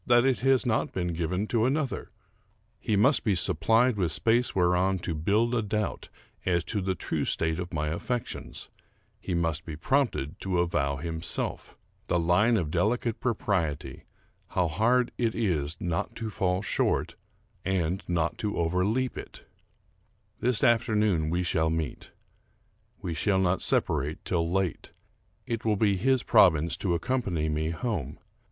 249 American Mystery Stories that it has not been given to another ; he must be supplied with space whereon to build a doubt as to the true state of my affections ; he must be prompted to avow himself. The line of delicate propriety, — how hard it is not to fall short, and not to overleap it ! This afternoon we shall meet. ... We shall not sepa rate till late. It will be his province to accompany me home.